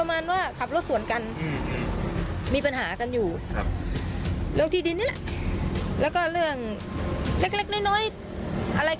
นางสาวสุริวัณภรรยาของผู้เสียชีวิตนางสาวสุริวัณภรรยาของผู้เสียชีวิต